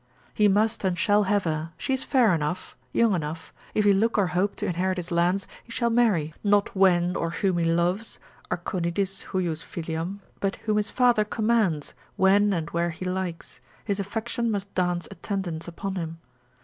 he must and shall have her, she is fair enough, young enough, if he look or hope to inherit his lands, he shall marry, not when or whom he loves, Arconidis hujus filiam, but whom his father commands, when and where he likes, his affection must dance attendance upon him.